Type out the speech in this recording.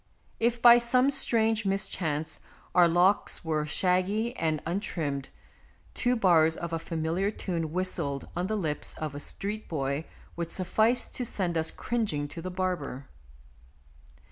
If, by some strange mis chance, our locks were shaggy and un trimmed, two bars of a familiar tune whistled on the lips of a street boy would suffice to send us cringing to the barber.